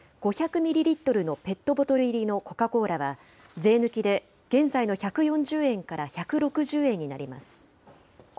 このうち５００ミリリットルのペットボトル入りのコカ・コーラは、税抜きで現在の１４０円から１６０円になります。